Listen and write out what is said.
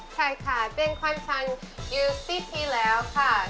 ใช่ค่ะเป็นควันช้างอยู่สี่ปีแล้วค่ะ